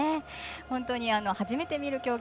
本当に初めて見る競技